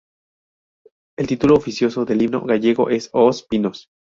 El título oficioso del himno gallego es "Os Pinos".